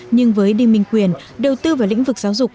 nhưng với đinh minh quyền đầu tư vào lĩnh vực giáo dục